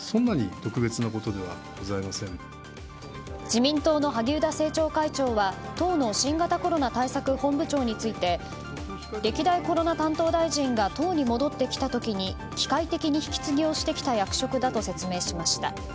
自民党の萩生田政調会長は党の新型コロナ対策本部長について歴代コロナ担当大臣が党に戻ってきた時機械的に引き継ぎをしてきた役職だと説明しました。